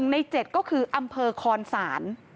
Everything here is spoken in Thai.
ใน๗ก็คืออำเภอคอนศาล